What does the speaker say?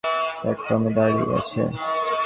কারণ ট্রেন টা অন্যপাশের প্ল্যাটফর্মে দাঁড়িয়ে আছে।